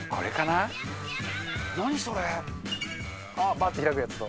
バッて開くやつと。